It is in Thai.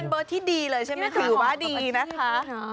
เบิร์ตที่ดีเลยใช่ไหมคะถือว่าดีนะคะ